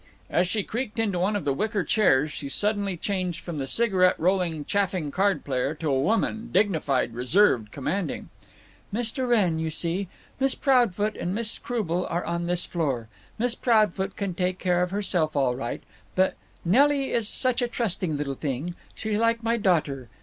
As she creaked into one of the wicker chairs she suddenly changed from the cigarette rolling chaffing card player to a woman dignified, reserved, commanding. "Mr. Wrenn, you see, Miss Proudfoot and Miss Croubel are on this floor. Miss Proudfoot can take care of herself, all right, but Nelly is such a trusting little thing—She's like my daughter.